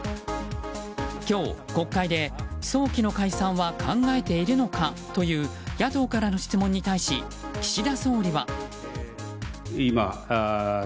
今日国会で、早期の解散は考えているのかという野党からの質問に対し岸田総理は。